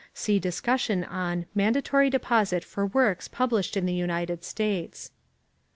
See discussion on "Mandatory Deposit for Works Published in the United States."